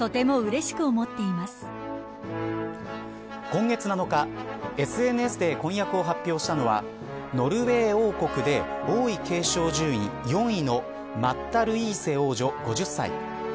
今月７日、ＳＮＳで婚約を発表したのはノルウェー王国で王位継承順位４位のマッタ・ルイーセ王女５０歳。